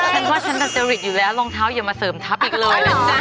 ฉันว่าฉันดัจจริตอยู่แล้วรองเท้าอย่ามาเสริมทัพอีกเลยนะจ๊ะ